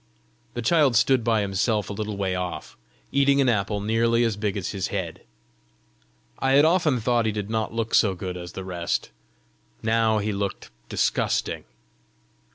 The child stood by himself a little way off, eating an apple nearly as big as his head. I had often thought he did not look so good as the rest; now he looked disgusting.